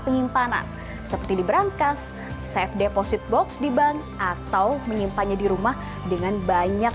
penyimpanan seperti diberangkas safe deposit box di bank atau menyimpannya di rumah dengan banyak